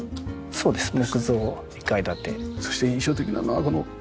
そうですね。